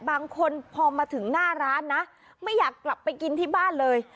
บางคนพอมาถึงหน้าร้านนะไม่อยากกลับไปกินที่บ้านเลย